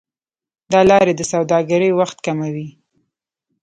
دا لارې د سوداګرۍ وخت کموي.